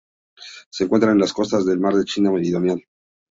Se encuentra en las costas del Mar de la China Meridional.